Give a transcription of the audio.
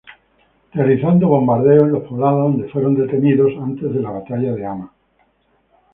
Realizando bombardeos en los poblados donde fueron detenidos antes de la batalla de Hama.